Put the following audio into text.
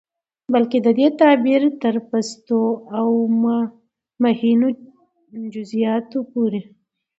بلکې د دې تعبير تر پستو او مهينو جزيىاتو پورې